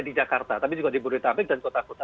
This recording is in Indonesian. di jakarta tapi juga di bodetabek dan kota kota